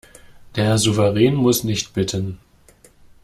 Der Souverän muss nicht bitten.